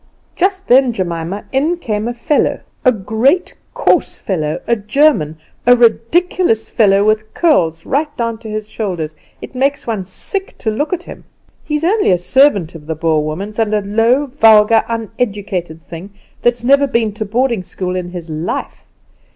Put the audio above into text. Just then, Jemima, in came a fellow, a great, coarse fellow, a German a ridiculous fellow, with curls right down to his shoulders; it makes one sick to look at him. He's only a servant of the Boer woman's, and a low, vulgar, uneducated thing; that's never been to boarding school in his life.